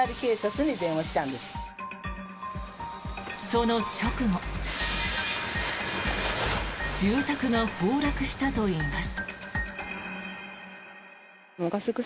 その直後住宅が崩落したといいます。